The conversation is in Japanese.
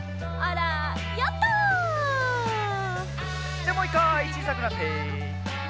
じゃもう１かいちいさくなって。